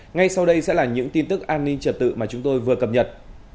ngay sau đây sẽ là những tin tức an ninh trật tự mà chúng tôi vừa cập nhật